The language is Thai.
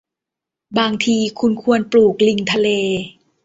บางทีคุณควรปลูกลิงทะเล